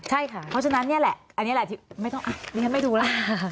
เพราะฉะนั้นนี่แหละอันนี้แหละที่ไม่ต้องเรียนให้ดูละ